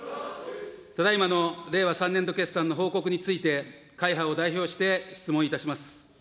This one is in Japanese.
ただいまの令和３年度決算の報告について、会派を代表して質問いたします。